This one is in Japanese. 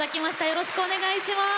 よろしくお願いします。